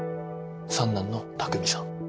三男の拓三さん。